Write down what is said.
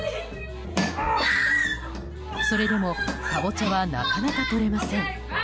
それでもカボチャはなかなか取れません。